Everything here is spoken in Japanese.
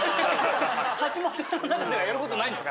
「橋本屋」の中ではやる事ないんだから。